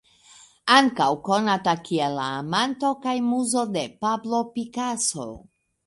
Ankaŭ konata kiel la amanto kaj muzo de Pablo Picasso.